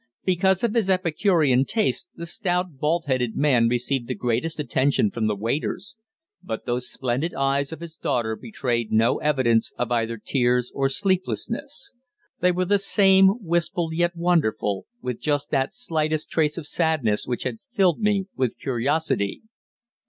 Because of his epicurean tastes, the stout, bald headed man received the greatest attention from the waiters; but those splendid eyes of his daughter betrayed no evidence of either tears or sleeplessness. They were the same, wistful yet wonderful, with just that slightest trace of sadness which had filled me with curiosity.